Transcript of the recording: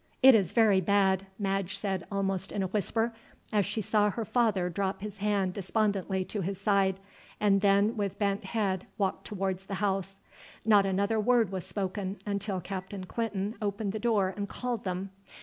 "It is very bad," Madge said almost in a whisper, as she saw her father drop his hand despondently to his side, and then with bent head walk towards the house. Not another word was spoken until Captain Clinton opened the door and called them.